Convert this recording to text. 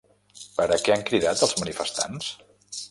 Per a què han cridat els manifestants?